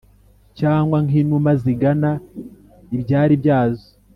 cyangwa nk’inuma zigana ibyari byazo?